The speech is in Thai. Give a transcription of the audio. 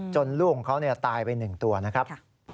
จนล่วงเขาตายไป๑ตัวนะครับ